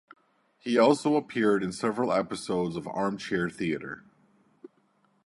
He also appeared in several episodes of "Armchair Theatre".